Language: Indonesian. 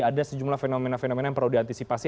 ada sejumlah fenomena fenomena yang perlu diantisipasi